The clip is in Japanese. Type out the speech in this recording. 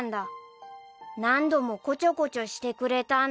何度もこちょこちょしてくれたんだ